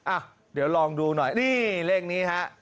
อ่ะเดี๋ยวลองดูหน่อยนี่เลขนี้ฮะ